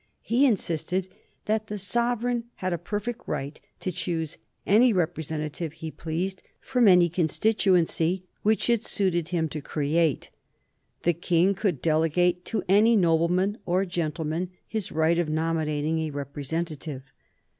He insisted that the sovereign had a perfect right to choose any representative he pleased from any constituency which it suited him to create. The King could delegate to any nobleman or gentleman his right of nominating a representative.